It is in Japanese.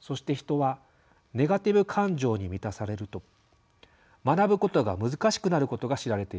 そして人はネガティブ感情に満たされると学ぶことが難しくなることが知られています。